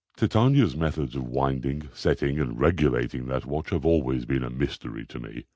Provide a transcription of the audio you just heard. Titania's methods of winding, setting and regulating that watch have always been a mystery to me.